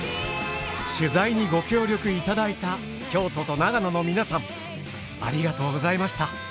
取材にご協力いただいた京都と長野の皆さんありがとうございました。